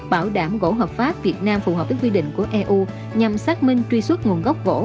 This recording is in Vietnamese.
bảo đảm gỗ hợp pháp việt nam phù hợp với quy định của eu nhằm xác minh truy xuất nguồn gốc gỗ